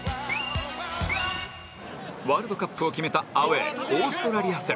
ワールドカップを決めたアウェーオーストラリア戦